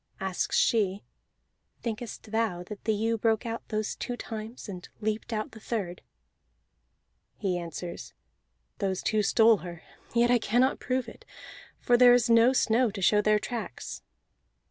Asks she: "Thinkest thou that the ewe broke out those two times, and leaped out the third?" He answers: "Those two stole her, yet I cannot prove it, for there is no snow to show their tracks."